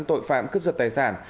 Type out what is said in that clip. tội phạm cướp giật tài sản